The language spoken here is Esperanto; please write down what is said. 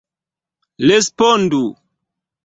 Respondu.